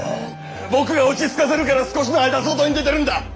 僕が落ち着かせるから少しの間外に出てるんだッ。